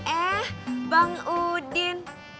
eh bang udin